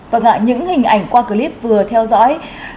vâng ạ những hình ảnh qua clip vừa theo dõi